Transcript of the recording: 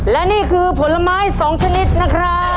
และนี่คือผลไม้๒ชนิดนะครับ